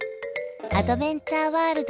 アドベンチャーワールド。